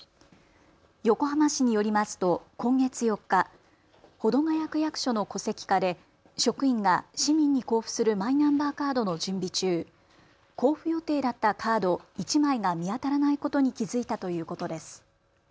横浜市によりますと今月４日、保土ケ谷区役所の戸籍課で職員が市民に交付するマイナンバーカードの準備中、交付予定だったカード１枚が見当たらないことに気付いたということです。